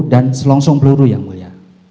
dan selongsong peluru yang mulia